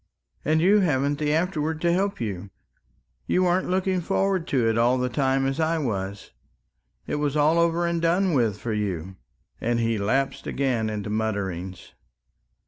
And you hadn't the afterwards to help you you weren't looking forward to it all the time as I was ... it was all over and done with for you ..." and he lapsed again into mutterings.